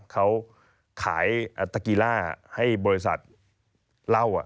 เขาขายตะกิล้าให้บริษัทเล่า